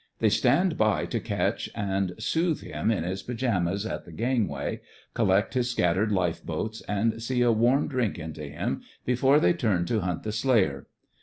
They stand by to catch and soothe him in his pyjamas at the gangway, collect his scattered lifeboats, and see a warm drink into him before they turn to hunt the slayer.